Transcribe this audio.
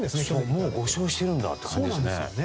もう５勝してるんだって感じですね。